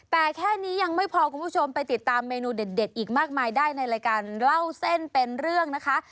แต่แค่นี้ยังไม่พอคุณผู้ชมไปติดตามเมนูเด็ดอีกมากมายได้ในรายการเล่าเส้นเป็นเรื่องนะคะ